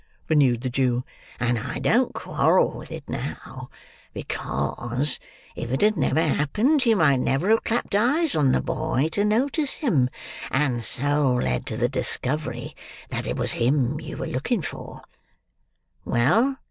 renewed the Jew. "And I don't quarrel with it now; because, if it had never happened, you might never have clapped eyes on the boy to notice him, and so led to the discovery that it was him you were looking for. Well!